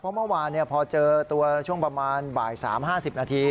เพราะเมื่อวานพอเจอตัวช่วงประมาณบ่าย๓๕๐นาที